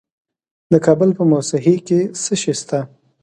د کابل په موسهي کې څه شی شته؟